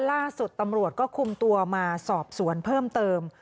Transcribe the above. ล่าสุดตำรวจก็คุมตัวมาสอบสวนเพิ่มเติม